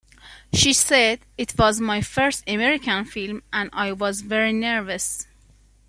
She said, It was my first American film and I was very nervous.